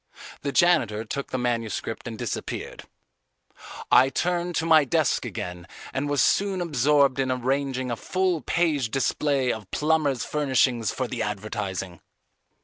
The janitor took the manuscript and disappeared. I turned to my desk again and was soon absorbed in arranging a full page display of plumbers' furnishings for the advertising.